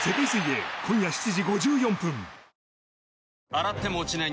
洗っても落ちない